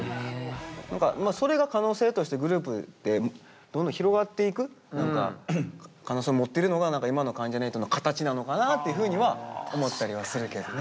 それが可能性としてグループでどんどん広がっていく可能性を持ってるのが今の関ジャニ∞の形なのかなっていうふうには思ったりはするけどね。